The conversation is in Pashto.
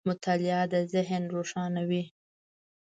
• مطالعه د ذهن روښانوي.